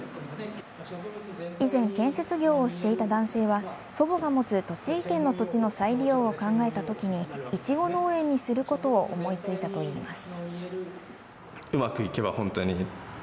以前、建設業をしていた男性は祖母が持つ栃木県の土地の再利用を考えた時にいちご農園にすることを思いついたといいます。